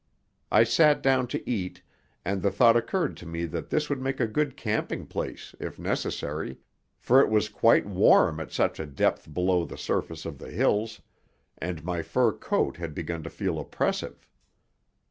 I sat down to eat, and the thought occurred to me that this would make a good camping place, if necessary, for it was quite warm at such a depth below the surface of the hills, and my fur coat had begun to feel oppressive.